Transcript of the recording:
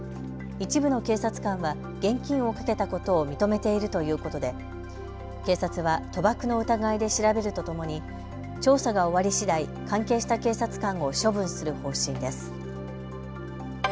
一部の警察官は現金を賭けたことを認めているということで警察は賭博の疑いで調べるとともに調査が終わりしだい、関係した警察官を処分する方針です。